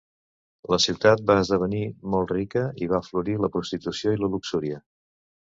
La ciutat va esdevenir molt rica, i va florir la prostitució i la luxúria.